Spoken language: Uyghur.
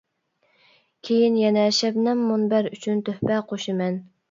كىيىن يەنە شەبنەم مۇنبەر ئۈچۈن تۆھپە قوشىمەن!